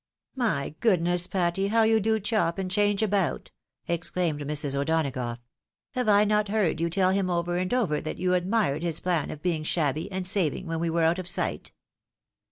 " My goodness, Patty, how you do chop and change about !" exclaimed Mrs. O'Donagough. " Have I not heard you tell him over and over that you admired his plan of being shabby, and saving when we were out of sight